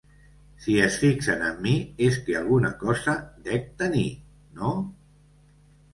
Si es fixen en mi és que alguna cosa dec tenir, no?